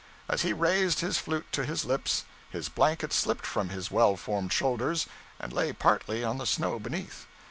As he raised his flute to his lips, his blanket slipped from his well formed shoulders, and lay partly on the snow beneath.